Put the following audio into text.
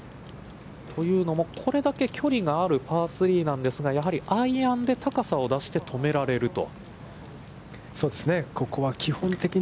というのもこれだけ距離があるパー３なんですが、やはりアイアンで高さを出して止められると。